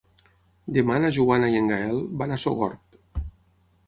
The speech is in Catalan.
Demà na Joana i en Gaël van a Sogorb.